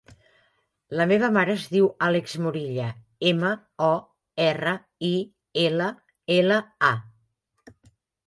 La meva mare es diu Àlex Morilla: ema, o, erra, i, ela, ela, a.